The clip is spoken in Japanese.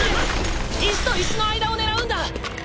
石と石の間を狙うんだ。